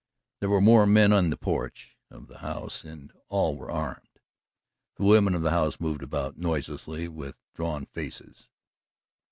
There were more men in the porch of the house and all were armed. The women of the house moved about noiselessly and with drawn faces.